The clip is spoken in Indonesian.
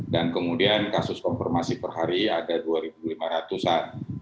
dan kemudian kasus konfirmasi per hari ada dua lima ratus an